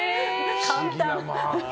簡単。